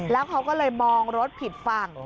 แล้วเขาก็เลยมองรถผิดฝั่ง